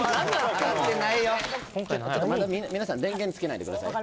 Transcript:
皆さん電源つけないでください